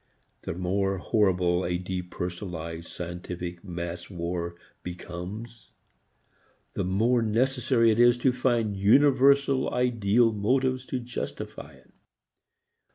The more horrible a depersonalized scientific mass war becomes, the more necessary it is to find universal ideal motives to justify it.